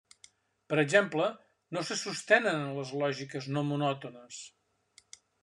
Per exemple, no se sostenen en les lògiques no monòtones.